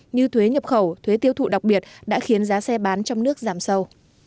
như thuế nhập khẩu thuế tiêu thụ đặc biệt đã khiến giá xe bán trong nước giảm sâu